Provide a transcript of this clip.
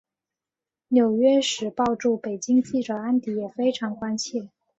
纽约时报驻北京记者安迪也非常关切。